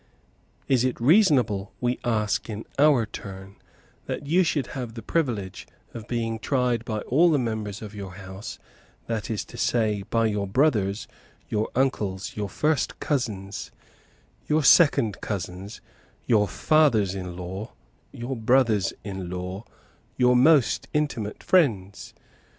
Is it reasonable, we ask in our turn, that you should have the privilege of being tried by all the members of your House, that is to say, by your brothers, your uncles, your first cousins, your second cousins, your fathers in law, your brothers in law, your most intimate friends?